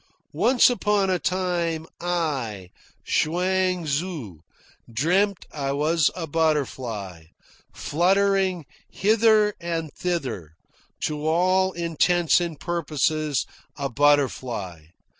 "Once upon a time, I, Chuang Tzu, dreamt I was a butterfly, fluttering hither and thither, to all intents and purposes a butterfly.